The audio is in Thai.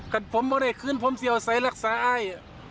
กันผมไม่ได้ขึ้นผมสิเอาไซล์รักษาอ้าย